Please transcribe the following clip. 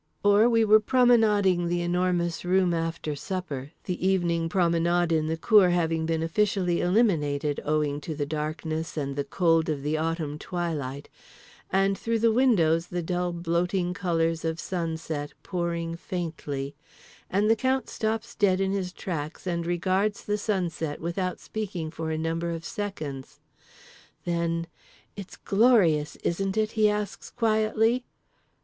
Or we were promenading The Enormous Room after supper—the evening promenade in the cour having been officially eliminated owing to the darkness and the cold of the autumn twilight—and through the windows the dull bloating colours of sunset pouring faintly; and the Count stops dead in his tracks and regards the sunset without speaking for a number of seconds. Then—"it's glorious, isn't it?" he asks quietly.